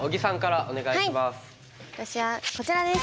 私はこちらです！